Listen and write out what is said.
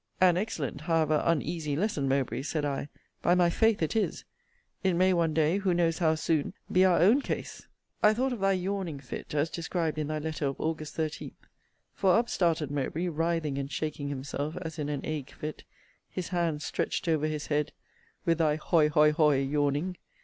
An excellent, however uneasy lesson, Mowbray! said I. By my faith it is! It may one day, who knows how soon? be our own case! I thought of thy yawning fit, as described in thy letter of Aug. 13. For up started Mowbray, writhing and shaking himself as in an ague fit; his hands stretched over his head with thy hoy! hoy! hoy! yawning.